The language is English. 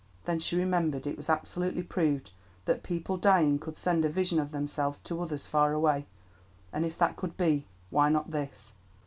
Then she remembered it was absolutely proved that people dying could send a vision of themselves to others far away; and if that could be, why not this?